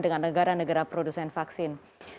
dengan negara negara produsen vaksin